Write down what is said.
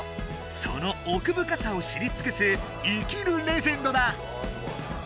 そのおくぶかさを知りつくす生きるレジェンドだ！